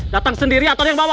datang sendiri atau ada yang bawa